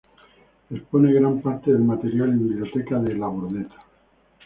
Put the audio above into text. Expone gran parte del material y biblioteca de Labordeta.